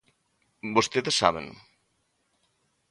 Vostedes sábeno.